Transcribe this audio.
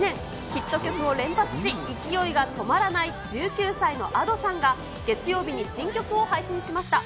ヒット曲を連発し、勢いが止まらない１９歳のＡｄｏさんが、月曜日に新曲を配信しました。